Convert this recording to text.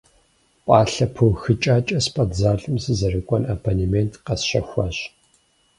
Пӏалъэ пыухыкӏакӏэ спортзалым сызэрыкӏуэн абонемент къэсщэхуащ.